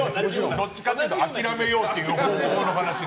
どっちかっていうと諦めようっていう方向の話に。